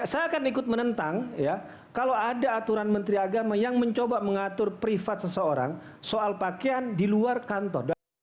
saya akan ikut menentang ya kalau ada aturan menteri agama yang mencoba mengatur privat seseorang soal pakaian di luar kantor